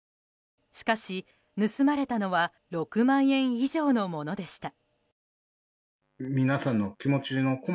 しかし、盗まれたのは６万円以上のものでした。